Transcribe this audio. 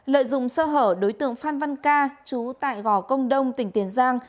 lợi dụng sơ hở đối tượng phan văn ca chú tại gò công đông tỉnh tiền giang